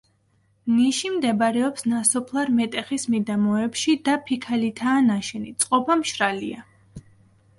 ნიში მდებარეობს ნასოფლარ მეტეხის მიდამოებში და ფიქალითაა ნაშენი, წყობა მშრალია.